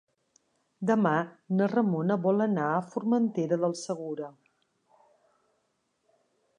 Demà na Ramona vol anar a Formentera del Segura.